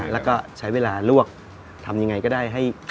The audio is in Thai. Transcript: แล้วก็ใช้เวลาลวกทำยังไงก็ได้ให้